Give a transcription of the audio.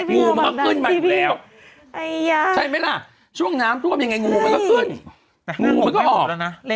งูมันก็ออก